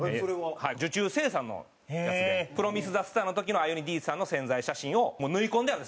受注生産のやつで『プロミスザスター』の時のアユニ・Ｄさんの宣材写真をもう縫い込んであるんです。